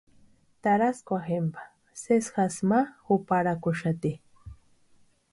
Taraskwa jempa sesi jasï ma juparakwa úxaati.